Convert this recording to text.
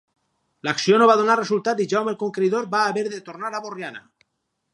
L'acció no va donar resultat i Jaume el Conqueridor va haver de tornar a Borriana.